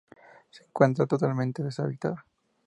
Se encuentra totalmente deshabitada.